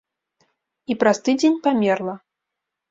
І праз тыдзень памерла.